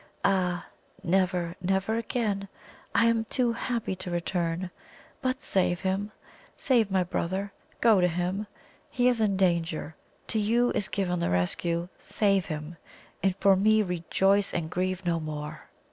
Ah, never, never again! I am too happy to return. But save him save my brother! Go to him; he is in danger; to you is given the rescue. Save him; and for me rejoice, and grieve no more!"